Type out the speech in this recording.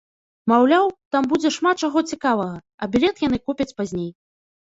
Маўляў, там будзе шмат чаго цікавага, а білет яны купяць пазней.